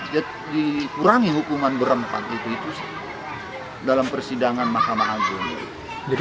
ya dikurangi hukuman berempat itu itu dalam persidangan mahkamah agung jadi